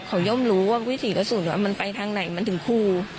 เขาย่อมรู้ว่าวิถีกระสุนมันไปทางไหนมันถึงคู่